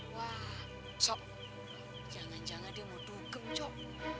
wah cok jangan jangan dia mau dugem cok